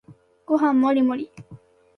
ご飯もりもり